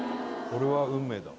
「これは運命だ」